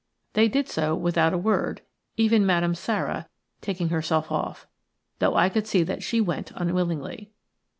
They did so without a word, even Madame Sara taking herself off, though I could see that she went unwillingly.